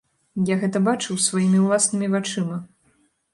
Я гэта бачыў сваімі ўласнымі вачыма.